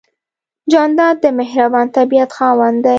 جانداد د مهربان طبیعت خاوند دی.